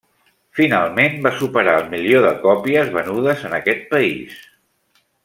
Finalment va superar el milió de còpies venudes en aquest país.